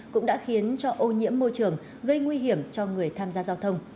cũng đã khiến cho ô nhiễm môi trường gây nguy hiểm cho người tham gia giao thông